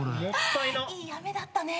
いい雨だったね。